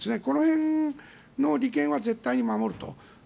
この辺の利権は絶対に守ると。